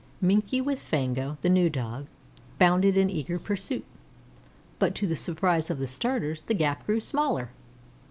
Minkie with Fango, the new Dog, bounded in eager pursuit, but, to the surprise of the starters, the gap grew smaller.